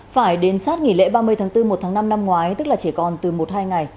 phải đến sát nghỉ lễ ba mươi tháng bốn một tháng năm năm ngoái tức là chỉ còn từ một hai ngày